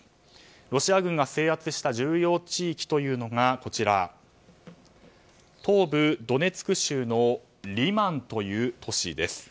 ロシア軍が制圧した重要地域というのが東部ドネツク州のリマンという都市です。